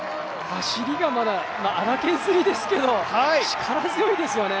走りがまだ荒削りですけど力強いですね。